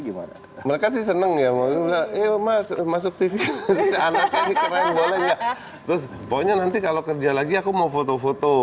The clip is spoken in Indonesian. gimana mereka sih seneng ya mau masuk tv terus pokoknya nanti kalau kerja lagi aku mau foto foto